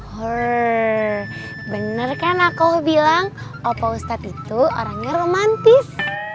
hurr bener kan aku bilang opa ustad itu orangnya romantis